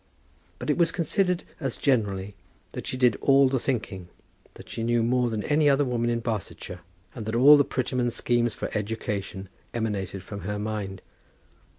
But it was considered as generally that she did all the thinking, that she knew more than any other woman in Barsetshire, and that all the Prettyman schemes for education emanated from her mind.